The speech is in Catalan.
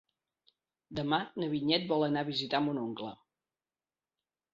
Demà na Vinyet vol anar a visitar mon oncle.